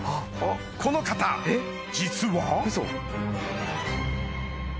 この方実はウソ。